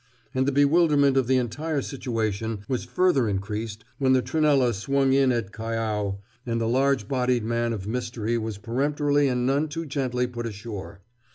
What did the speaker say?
And the bewilderment of the entire situation was further increased when the Trunella swung in at Callao and the large bodied man of mystery was peremptorily and none too gently put ashore.